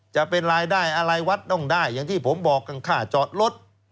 จะเป็นรายได้อะไรวัดต้องได้อย่างที่ผมบอกค่าจอดรถ